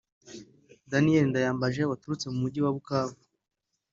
Daniel ndayambaje waturutse mu muyjyi wa Bukavu